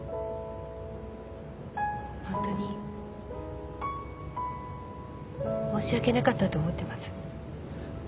ホントに申し訳なかったと思ってます。